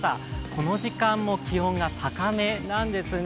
この時間も気温が高めなんですね。